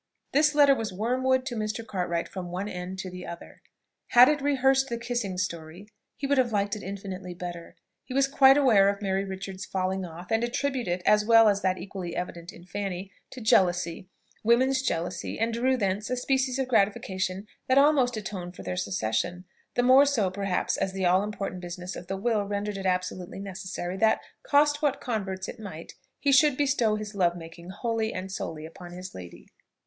This letter was wormwood to Mr. Cartwright from one end to the other. Had it rehearsed the kissing story, he would liked it infinitely better. He was quite aware of Mary Richards's "falling off," and attributed it, as well as that equally evident in Fanny, to jealousy woman's jealousy, and drew thence a species of gratification that almost atoned for their secession; the more so perhaps as the all important business of the will rendered it absolutely necessary that, cost what converts it might, he should bestow his love making wholly and solely upon his lady.